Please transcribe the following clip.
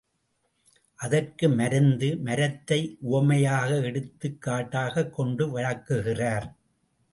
அதற்கு மருந்து மரத்தை உவமையாக எடுத்துக் காட்டாகக் கொண்டு விளக்குகிறார்.